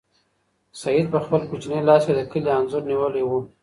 سعید په خپل کوچني لاس کې د کلي انځور نیولی و.